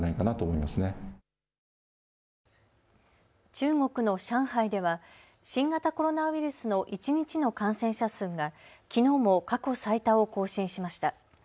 中国の上海では新型コロナウイルスの一日の感染者数がきのうも過去最多を更新しました。